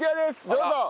どうぞ！